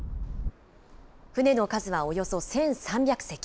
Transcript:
船の数はおよそ１３００隻。